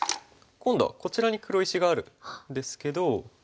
今度はこちらに黒石があるんですけど。